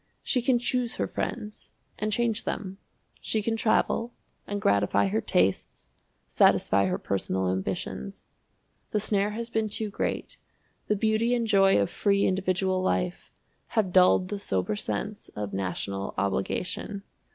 She can choose her friends and change them. She can travel, and gratify her tastes, satisfy her personal ambitions. The snare has been too great; the beauty and joy of free individual life have dulled the sober sense of national obligation.